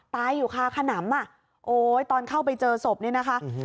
ตายอยู่คาขนำอ่ะโอ๊ยตอนเข้าไปเจอศพเนี่ยนะคะ